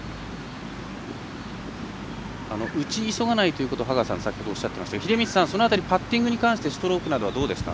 打ち急がないということを先ほど羽川さんおっしゃいましたが秀道さん、その辺りパッティングに関してストロークはどうですか。